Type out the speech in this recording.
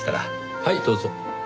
はいどうぞ。